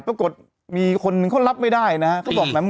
ปรากฏมีคนเขารับไม่ได้นะฮะ